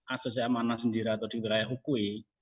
asosiasi amanah sendiri atau di wilayah hukui